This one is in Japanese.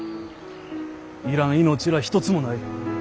要らん命らあ一つもない。